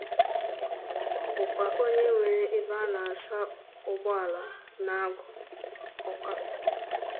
bụkwa onye nwere ebe a na-asa ụgbọala n'Agụ Awka